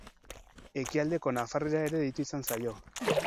Ekialdeko nafarrera ere deitu izan zaio.